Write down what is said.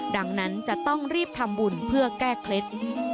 ดังนั้นจะต้องรีบทำบุญเพื่อแก้เคล็ด